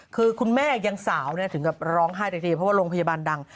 คือคุณแม่ยังสาวถึงกับร้องไห้ทันทีเพราะว่าโรงพยาบาลดัง